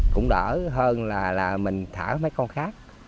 cũng đỡ hơn là mình thả mấy con khác